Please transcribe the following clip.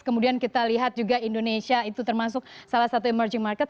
kemudian kita lihat juga indonesia itu termasuk salah satu emerging market